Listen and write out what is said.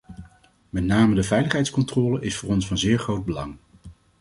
Met name de veiligheidscontrole is voor ons van zeer groot belang.